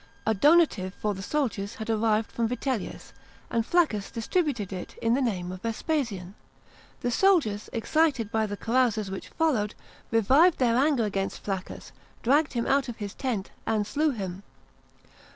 A donative for the soldiers had arrived from Vitellius, and Flaccus distributed it in the name of Vespasian. The soldiers, excited by the carouses which followed, revived their anger against Flaccus, dragged him out of his tent and slew him.